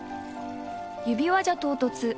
指輪じゃ唐突。